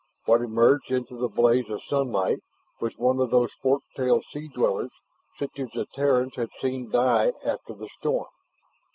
What emerged into the blaze of sunlight was one of those fork tailed sea dwellers such as the Terrans had seen die after the storm.